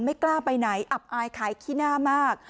ไม่กล้าไปไหนอับอายขายขี้หน้ามาก